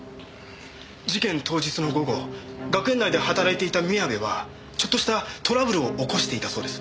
事件当日の午後学園内で働いていた宮部はちょっとしたトラブルを起こしていたそうです。